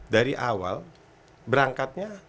dari awal berangkatnya